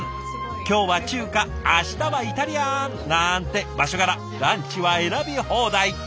今日は中華明日はイタリアン！なんて場所柄ランチは選び放題。